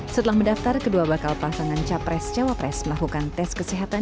setelah mendaftar kedua bakal pasangan capres cawapres melakukan tes kesehatan